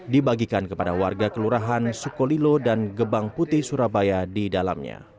dibagikan kepada warga kelurahan sukolilo dan gebang putih surabaya di dalamnya